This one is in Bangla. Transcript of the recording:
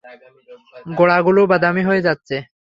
গোড়াগুলো বাদামী হয়ে যাচ্ছে।